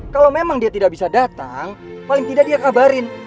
kalau memang dia tidak bisa datang paling tidak dia kabarin